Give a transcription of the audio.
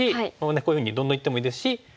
こういうふうにどんどんいってもいいですし。